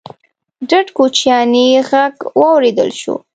ډډ کوچيانی غږ واورېدل شو: